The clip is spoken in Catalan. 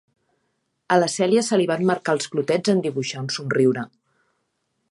A la Cèlia se li van marcar els clotets en dibuixar un somriure.